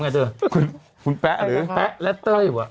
มันออกรายการอยู่กับเต้ยค่ะ